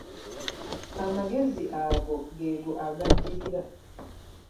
Amagezi ago geego agaddirira.